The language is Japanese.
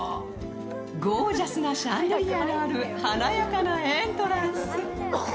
ゴージャスなシャンデリアもある華やかなエントランス。